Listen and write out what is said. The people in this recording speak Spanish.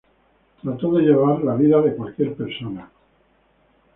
Trato de llevar la vida de cualquier persona.